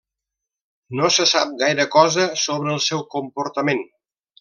No se sap gaire cosa sobre el seu comportament.